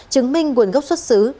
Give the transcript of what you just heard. chứng minh nguồn gốc xuất xứ